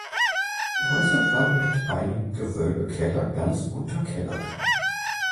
Die Häuser waren mit einem Gewölbekeller ganz unterkellert.